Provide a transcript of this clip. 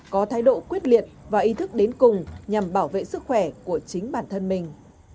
có thái độ quyết liệt và ý thức đến cùng nhằm bảo vệ sức khỏe của chính bản thân mình